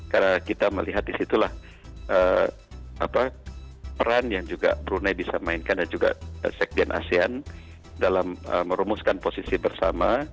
karena kita melihat disitulah peran yang juga brunei bisa mainkan dan juga sekian asean dalam merumuskan posisi bersama